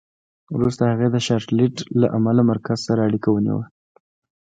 وروسته هغې د شارليټ له اسلامي مرکز سره اړیکه ونیوه